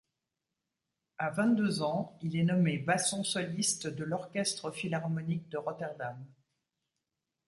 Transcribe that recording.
À vingt-deux ans, il est nommé basson soliste de l'orchestre philharmonique de Rotterdam.